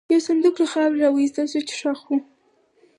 یو صندوق له خاورې را وایستل شو، چې ښخ و.